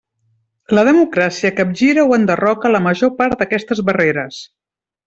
La democràcia capgira o enderroca la major part d'aquestes barreres.